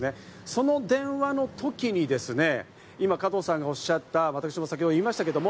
その電話の時に今、加藤さんがおっしゃった私も言いました、